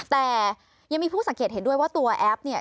แต่ยังมีผู้สังเกตเห็นด้วยว่าตัวแอปเนี่ย